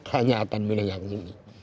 hanya akan milih yang ini